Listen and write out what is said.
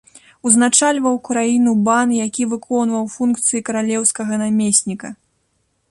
Узначальваў краіну бан, які выконваў функцыі каралеўскага намесніка.